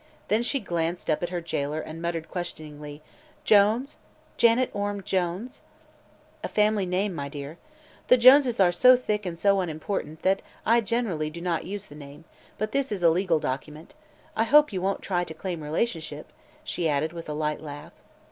Then she glanced up at her jailer and muttered questioningly: "Jones? Janet Orme Jones?" "A family name, my dear. The Joneses are so thick and so unimportant that generally I do not use the name, but this is a legal document. I hope you won't try to claim relationship," she added with a light laugh.